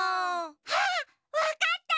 あっわかった！